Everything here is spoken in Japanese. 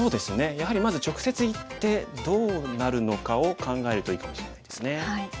やはりまず直接いってどうなるのかを考えるといいかもしれないですね。